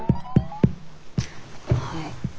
はい。